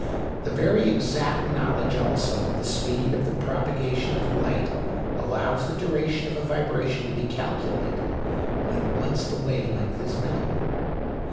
The very exact knowledge also of the speed of the propagation of light allows the duration of a vibration to be calculated when once the wave length is known.